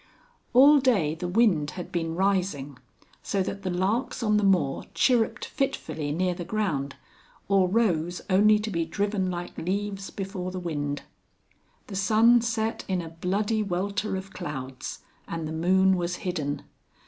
All day the wind had been rising, so that the larks on the moor chirruped fitfully near the ground, or rose only to be driven like leaves before the wind. The sun set in a bloody welter of clouds, and the moon was hidden.